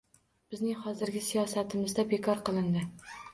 Bizning hozirgi siyosatimizda bekor qilindi